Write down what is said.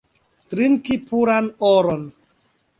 Trinki puran oron!